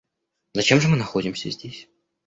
Зачем же мы находимся здесь?